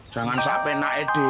jangan sampai naeduh